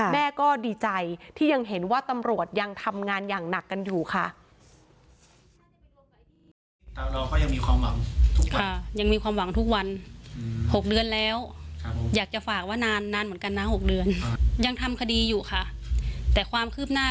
แม่ก็ดีใจที่ยังเห็นว่าตำรวจยังทำงานอย่างหนักกันอยู่ค่ะ